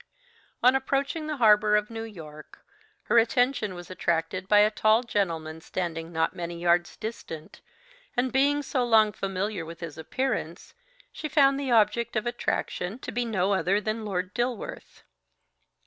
On approaching the harbour of New York, her attention was attracted by a tall gentleman standing not many yards distant, and being so long familiar with his appearance, she found the object of attraction to be no other than Lord Dilworth.